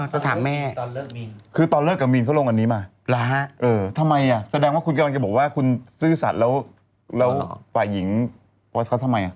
จะถามแม่นคือตอนเลิกกับมีนเขาลงอันนี้มาทำไมอ่ะแสดงว่าคุณกำลังจะบอกว่าคุณซื่อสัตว์แล้วฝ่ายหญิงโพสต์เขาทำไม